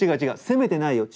責めてないよ。